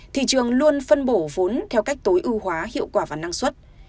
thị trường luôn phân bổ vốn theo cách tối ưu hóa hiệu quả và năng suất